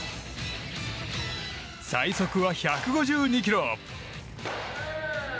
最速は１５２キロ。